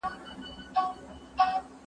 ډیپلوماټان په بهرني سیاست کي څه لټوي؟